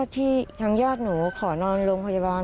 ที่ทางญาติหนูขอนอนโรงพยาบาล